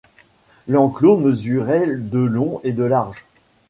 L'enclos mesurait de long et de large.